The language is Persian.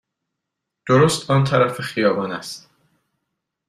درست آن طرف خیابان است.